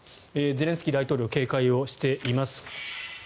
ゼレンスキー大統領警戒をしています。